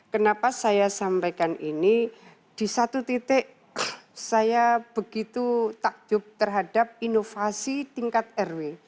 kenapa saya sampaikan ini di satu titik saya begitu takjub terhadap inovasi tingkat rw